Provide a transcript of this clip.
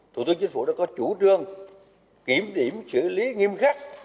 thủ tướng chính phủ đã có chủ trương kiểm điểm xử lý nghiêm khắc